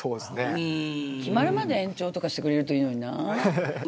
決まるまで延長とかしてくれるといいのにな。